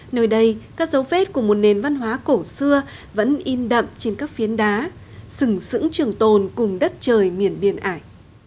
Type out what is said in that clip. nơi đây các dấu vết của một nền văn hóa cổ xưa vẫn in đậm trên các phiến đá sừng sững trường tồn cùng đất trời miền biên ải